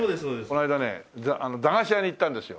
こないだね駄菓子屋に行ったんですよ。